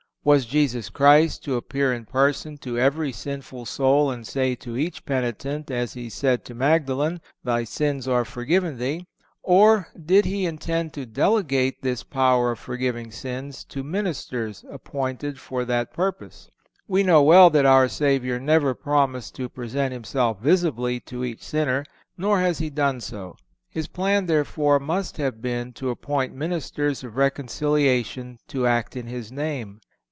Was Jesus Christ to appear in person to every sinful soul and say to each penitent, as He said to Magdalen, "Thy sins are forgiven thee," or did He intend to delegate this power of forgiving sins to ministers appointed for that purpose? We know well that our Savior never promised to present Himself visibly to each sinner, nor has He done so. His plan, therefore, must have been to appoint ministers of reconciliation to act in His name.